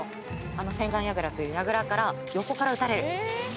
あの千貫櫓という櫓から横から撃たれる。